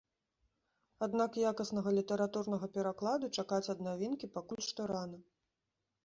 Аднак якаснага літаратурнага перакладу чакаць ад навінкі пакуль што рана.